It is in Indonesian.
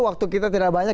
waktu kita tidak banyak